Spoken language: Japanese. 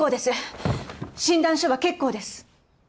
診断書は結構です。